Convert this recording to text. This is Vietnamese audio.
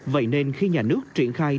vậy nên khi nhà nước triển khai